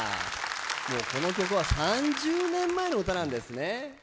この曲は３０年前の歌なんですね。